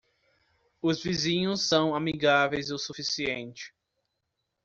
Os vizinhos são amigáveis o suficiente.